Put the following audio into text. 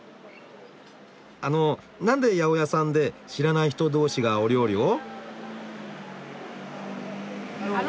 あのなんで八百屋さんで知らない人同士がお料理を？